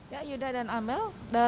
ya yuda dan amel